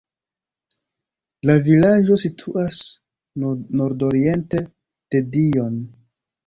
La vilaĝo situas nordoriente de Dijon.